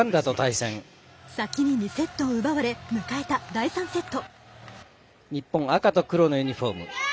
先に２セットを奪われ迎えた第３セット。